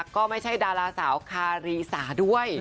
ก็ไม่ใช่ดาราสาวคารีสาด้วย